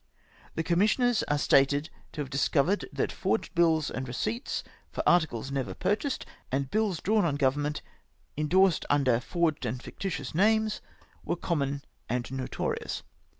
The com missioners are stated to have discovered that forged bills and receipts, for articles never purchased, and bills drawn on Grovernment indorsed under forced and fictitious names, were ECONOMY THE KEMEDY. 159 common and notorious.